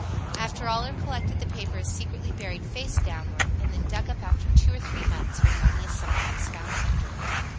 After all are collected the paper is secretly buried face downward, and then dug up after two or three months, when money is sometimes found under it.